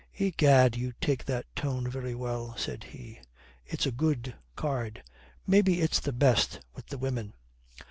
"Egad, you take that tone very well," said he. "It's a good card. Maybe it's the best with the women."